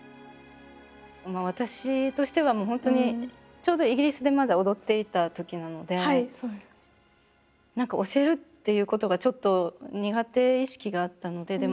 私としてはもう本当にちょうどイギリスでまだ踊っていたときなので何か教えるっていうことがちょっと苦手意識があったので。